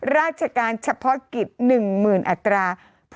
ราชการเฉพาะกิจ๑๐๐๐อัตรา